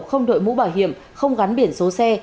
không đội mũ bảo hiểm không gắn biển số xe